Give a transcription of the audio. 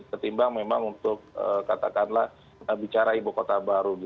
ketimbang memang untuk katakanlah bicara ibu kota baru